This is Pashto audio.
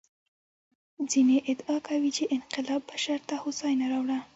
ځینې ادعا کوي چې انقلاب بشر ته هوساینه راوړه.